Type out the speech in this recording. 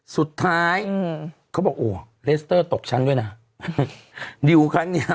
สุดท้ายอืมเขาบอกโอ้เลสเตอร์ตกชั้นด้วยนะดิวครั้งเนี้ย